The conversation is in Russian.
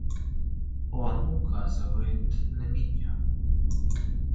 Он указывает на меня.